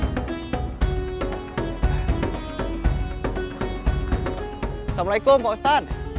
assalamualaikum pak ustaz